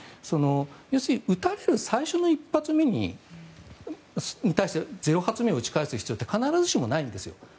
要するに撃たれる最初の１発目に対して０発目を撃ち返す必要って必ずしもないんです。